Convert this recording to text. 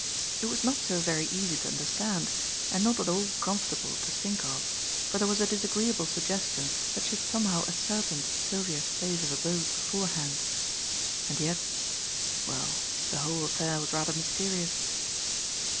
It was not so very easy to understand and not at all comfortable to think of, for there was a disagreeable suggestion that she had somehow ascertained Sylvia's place of abode beforehand. And yet well, the whole affair was rather mysterious.